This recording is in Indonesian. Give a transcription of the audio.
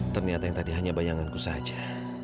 ternyata yang tadi hanya bayanganku saja